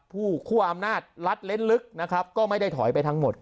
คู่คั่วอำนาจลัดเล่นลึกนะครับก็ไม่ได้ถอยไปทั้งหมด